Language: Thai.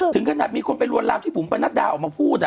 ถึงขนาดมีคนเป็นรวรรามที่ผมประนัดด่าออกมาพูด